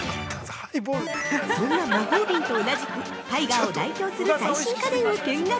そんな魔法瓶と同じくタイガーを代表する最新家電を見学。